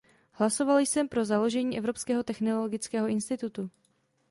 Hlasoval jsem pro založení Evropského technologického institutu.